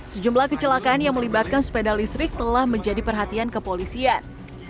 sejumlah kecelakaan yang melibatkan sepeda listrik telah menjadi perhatian kepolisian